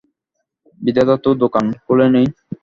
বিধাতা তো দোকান খোলেন নি।